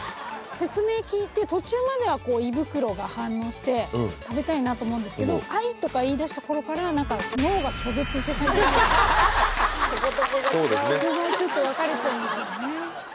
説明聞いて途中まではこう胃袋が反応して食べたいなと思うんですけど愛とか言いだした頃から脳が拒絶し始めたそうですねちょっと分かれちゃうんですよね